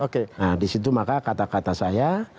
oke nah disitu maka kata kata saya